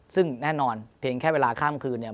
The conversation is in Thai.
ซึ่งแน่นอนเพียงแค่เวลาข้ามคืนเนี่ย